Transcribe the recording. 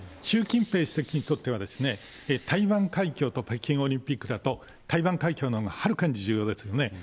習近平主席にとっては、台湾海峡と北京オリンピックだと、台湾海峡のほうがはるかに重要ですよね。